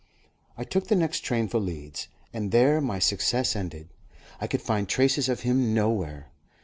I took the next train for Leeds, and there my success ended. I could find traces of him nowhere.